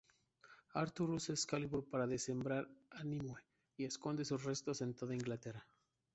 Arthur usa Excalibur para desmembrar a Nimue y esconde sus restos en toda Inglaterra.